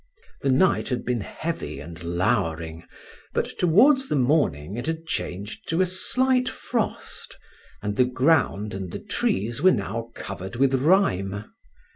The night had been heavy and lowering, but towards the morning it had changed to a slight frost, and the ground and the trees were now covered with rime.